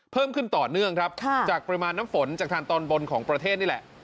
เพิ่มขึ้นต่อเนื่องครับจากปริมาณน้ำฝนจากทางตอนบนของประเทศนี่แหละ